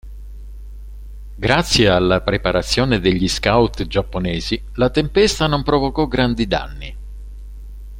Grazie alla preparazione degli scout giapponesi la tempesta non provocò grandi danni.